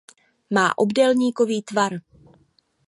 Má obdélníkový tvar.